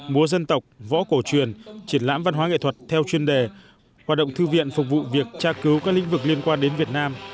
múa dân tộc võ cổ truyền triển lãm văn hóa nghệ thuật theo chuyên đề hoạt động thư viện phục vụ việc tra cứu các lĩnh vực liên quan đến việt nam